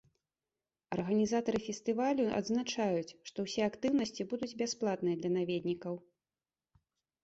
Арганізатары фестывалю адзначаюць, што ўсе актыўнасці будуць бясплатныя для наведнікаў.